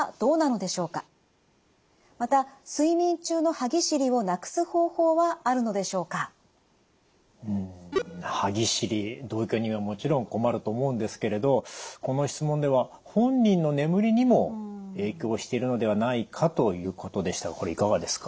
歯ぎしり同居人はもちろん困ると思うんですけれどこの質問では本人の眠りにも影響しているのではないかということでしたがこれいかがですか？